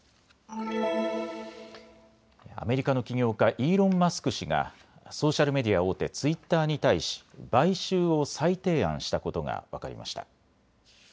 アメリカの起業家、イーロン・マスク氏がソーシャルメディア大手、ツイッターに対し買収を再提案したことが分かりました。